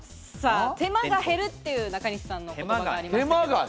手間が減るっていう中西さんの言葉がありましたけれど。